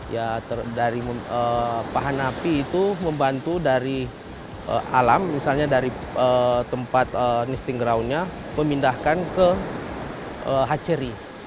ya dari pahan api itu membantu dari alam misalnya dari tempat nisting groundnya memindahkan ke hachery